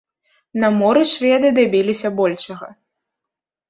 На моры шведы дабіліся большага.